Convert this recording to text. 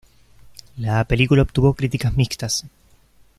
La película obtuvo críticas mixtas.